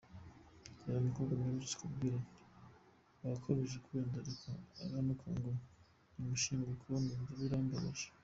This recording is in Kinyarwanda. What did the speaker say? Hari umukobwa mperutse kubwira nti ko wakabije kwiyandarika arantuka ngo nimushingukeho numva birambaje.